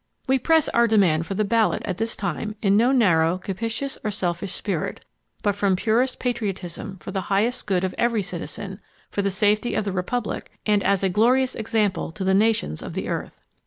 WE PRESS OUR DEMAND FOR THE BALLOT AT THIS TIME IN NO NARROW, CAPIOUS OR SELFISH SPIRIT, BUT FROM PUREST PATRIOTISM FOR THE HIGHEST GOOD OF EVERY CITIZEN, FOR THE SAFETY OF THE REPUBLIC AND A3 A GLORIOUS EXAMPLE TO THE NATIONS OF THE EARTH.